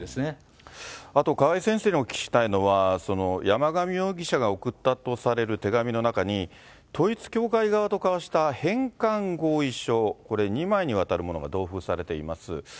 あと、川井先生にお聞きしたいのが、山上容疑者が送ったとされる手紙の中に、統一教会側と交わした返還合意書、これ２枚にわたるものが同封されています。